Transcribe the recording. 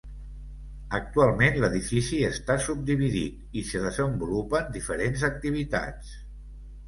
Actualment l'edifici està subdividit i s'hi desenvolupen diferents activitats.